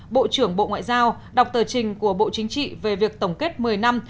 bộ trưởng bộ ngoại giao đọc tờ trình của bộ chính trị về việc tổng kết một mươi năm